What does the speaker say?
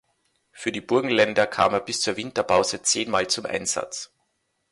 Für die Burgenländer kam er bis zur Winterpause zehnmal zum Einsatz.